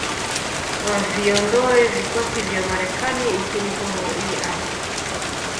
waviondoe vikosi vya Marekani nchini humo ili ardhi